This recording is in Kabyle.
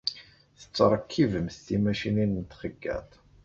Tettṛekkibemt timacinin n txeyyaḍt.